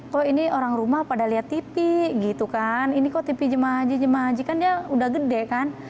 kok ini orang rumah pada lihat tv gitu kan ini kok tv jemaah haji jemaah haji kan dia udah gede kan